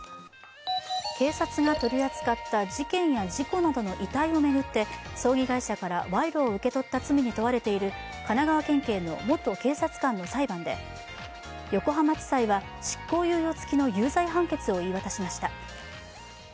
警察が取り扱った事件や事故などの遺体を巡って、葬儀会社から賄賂を受け取った罪に問われている神奈川県警の元警察官の裁判で横浜地裁は執行猶予つきの有罪判決を言い渡しました。